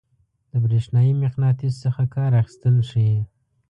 د برېښنايي مقناطیس څخه کار اخیستل ښيي.